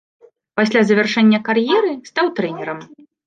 Пасля завяршэння кар'еры стаў трэнерам.